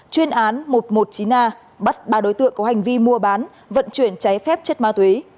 chuyên án một trăm một mươi chín a bắt ba đối tượng có hành vi mua bán vận chuyển cháy phép chất ma túy